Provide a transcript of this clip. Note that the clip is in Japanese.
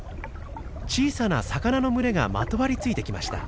小さな魚の群れがまとわりついてきました。